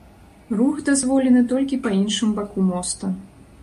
Рух дазволены толькі па іншым баку моста.